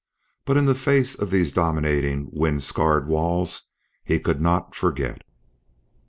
But, in the face of those dominating wind scarred walls, he could not forget.